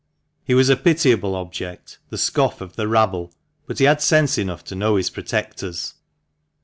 He was a pitiable object, the scoff of the rabble, but he had sense enough to know his protectors.